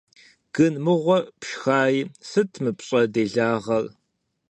Гын мыгъуэр пшхаи, сыт мы пщӀэ делагъэр?